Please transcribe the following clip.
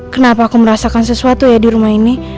kenapa aku merasakan sesuatu ya di rumah ini